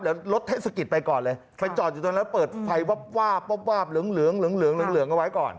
เดี๋ยวลดให้สกิดไปก่อนเลยไปจอดอยู่ตรงนั้นแล้วเปิดไฟวาบเหลืองเอาไว้ก่อน